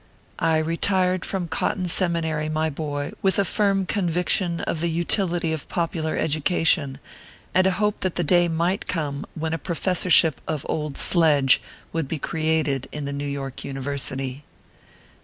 I retired from Cotton Seminary, my boy, with a firm conviction of the utility of popular education, and a hope that the day might come when a Profes sorship of Old Sledge would be created in the New York University.